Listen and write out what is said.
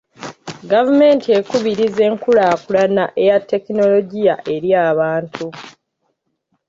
Gavumenti ekubirizza enkulaakulana eya tekinologiya eri abantu.